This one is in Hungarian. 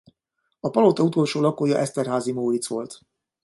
A palota utolsó lakója Esterházy Móric volt.